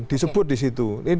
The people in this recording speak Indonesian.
disebut di situ